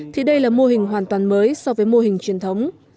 thì đây là mô hình hoàn toàn mới so với mô hình truyền thống